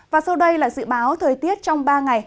và sau đây là dự báo thời tiết trong ba ngày